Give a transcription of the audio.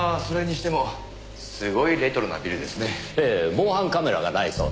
防犯カメラがないそうです。